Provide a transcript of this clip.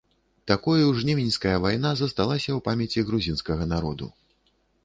Такою жнівеньская вайна засталася ў памяці грузінскага народу.